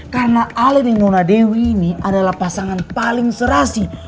karena alied dan nona dewi ini adalah pasangan paling serasi